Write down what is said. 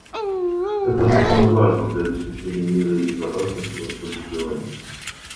Это жизненно важно для обеспечения мира и безопасности во всем регионе.